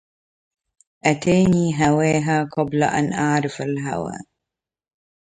أتاني هواها قبل أن أعرف الهوى